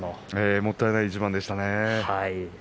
もったいない一番でしたね。